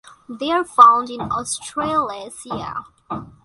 They are found in Australasia.